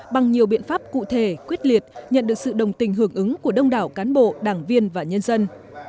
bằng nhiều biện pháp cụ thể quyết liệt nhận được sự đồng tình hưởng ứng của đông đảo cán bộ đảng viên và nhân dân